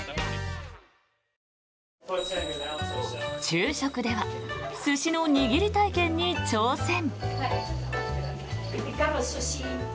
昼食では寿司の握り体験に挑戦。